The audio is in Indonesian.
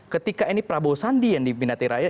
ketika ini prabowo sandi yang dipindahkan ke raya